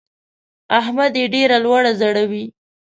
احمد يې ډېره لوړه ځړوي.